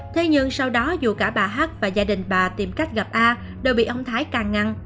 thế nhưng sau đó dù cả bà hát và gia đình bà tìm cách gặp a đều bị ông thái càng ngăn